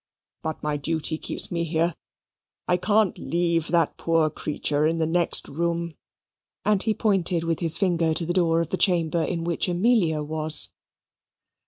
But my duty keeps me here: I can't leave that poor creature in the next room." And he pointed with his finger to the door of the chamber in which Amelia was.